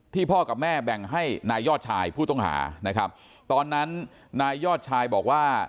พ่อกับแม่แบ่งให้นายยอดชายผู้ต้องหานะครับตอนนั้นนายยอดชายบอกว่า